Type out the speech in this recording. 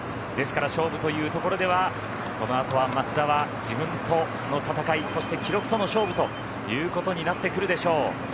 ですから勝負というところではこのあとは松田は自分との闘いそして記録との勝負ということになってくるでしょう。